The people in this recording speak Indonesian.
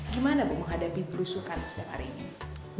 gimana ibu menghadapi berusukan setiap hari ini